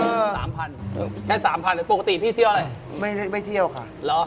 แค่๓๐๐๐โทรศัพท์ปกติพี่เที่ยวอะไรไปเที่ยวค่ะ